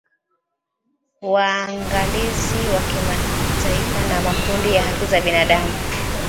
Waangalizi wa kimataifa na makundi ya haki za binadamu